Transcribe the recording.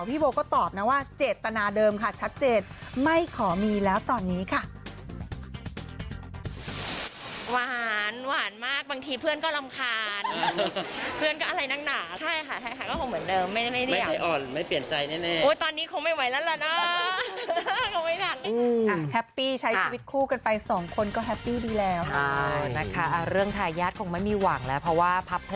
พี่โบก็ตอบนะว่าเจตนาเดิมค่ะชัดเจนไม่ขอมีแล้วตอนนี้ค่ะ